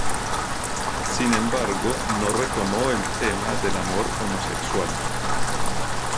Sin embargo, no retomó el tema del amor homosexual.